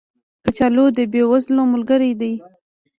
کچالو د بې وزلو ملګری دی